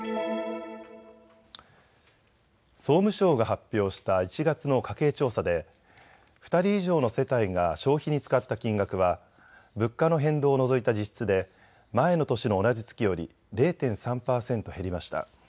総務省が発表した１月の家計調査で２人以上の世帯が消費に使った金額は物価の変動を除いた実質で前の年の同じ月より０．３％減りました。